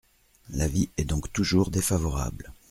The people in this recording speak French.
L’avis est donc toujours défavorable.